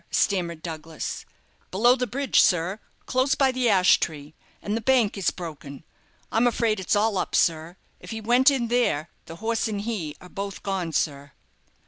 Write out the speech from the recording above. stammered Douglas. "Below the bridge, sir, close by the ash tree; and the bank is broken. I'm afraid it's all up, sir; if he went in there, the horse and he are both gone, sir."